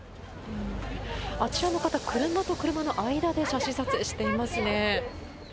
あちらの方、車と車の間で写真撮影していますね。